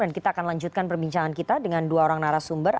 dan kita akan lanjutkan perbincangan kita dengan dua orang narasumber